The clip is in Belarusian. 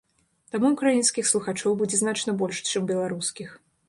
Таму ўкраінскіх слухачоў будзе значна больш, чым беларускіх.